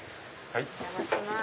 お邪魔します。